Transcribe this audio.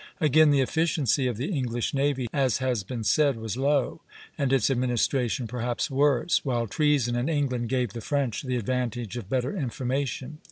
Again, the efficiency of the English navy, as has been said, was low, and its administration perhaps worse; while treason in England gave the French the advantage of better information.